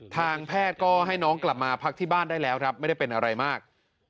ทางแพทย์ก็ให้น้องกลับมาพักที่บ้านได้แล้วครับไม่ได้เป็นอะไรมาก